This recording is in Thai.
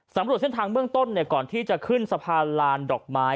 เส้นทางเบื้องต้นก่อนที่จะขึ้นสะพานลานดอกไม้